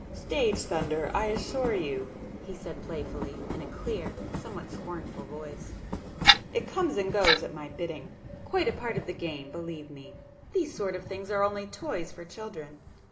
"Stage thunder, I assure you!" he said playfully, in a clear somewhat scornful voice—"It comes and goes at my bidding. Quite a part of the game, believe me!—these sort of things are only toys for children.